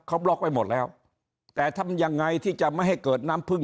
เขาบล็อกไว้หมดแล้วแต่ทำยังไงที่จะไม่ให้เกิดน้ำพึ่ง